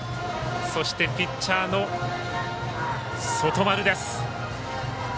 そして、ピッチャーの外丸。